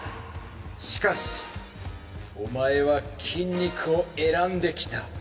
しかしお前は筋肉を選んできた。